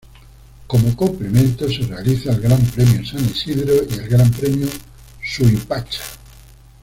Como complemento se realiza el Gran Premio San Isidro y el Gran Premio Suipacha.